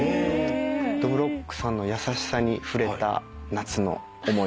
どぶろっくさんの優しさに触れた夏の思い出です。